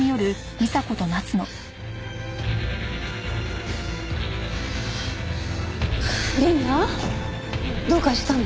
理奈どうかしたの？